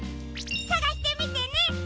さがしてみてね！